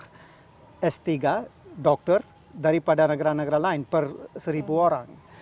ada banyak yang punya gelar s tiga dokter daripada negara negara lain per seribu orang